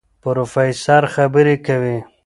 پروفېسر خبرې کوي.